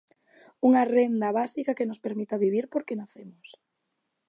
Unha Renda Básica que nos permita vivir porque nacemos.